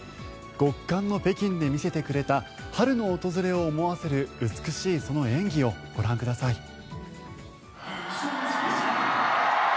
極寒の北京で見せてくれた春の訪れを思わせる美しいその演技をご覧ください。